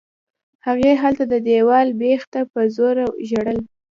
هغې هلته د دېوال بېخ ته په زوره ژړل.